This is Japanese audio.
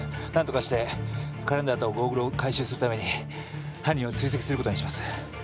何とかしてカレンダーとゴーグルを回収するために犯人を追跡する事にします。